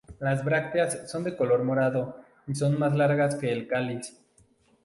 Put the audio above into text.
Las brácteas son de color morado y son más largas que el cáliz.